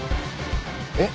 えっ？